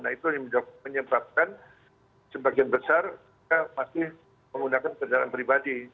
nah itu yang menyebabkan sebagian besar masih menggunakan kendaraan pribadi